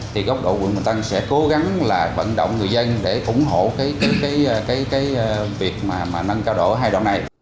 thì góc độ quận bình tân sẽ cố gắng là vận động người dân để ủng hộ cái việc mà nâng cao độ ở hai đoạn này